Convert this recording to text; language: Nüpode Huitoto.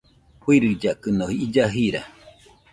Fɨɨrillakɨno illa jira